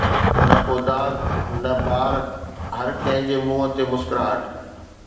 نه ڪو داغ، نه بار، هر ڪنهن جي منهن تي مسڪراهٽ.